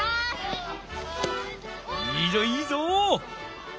いいぞいいぞ。